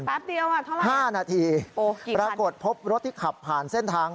แป๊บเดียวอ่ะเท่าไหร่โอ้กี่คันปรากฏพบรถที่ขับผ่านเส้นทาง